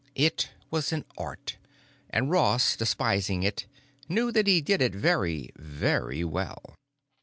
It was an art, and Ross, despising it, knew that he did it very, very well.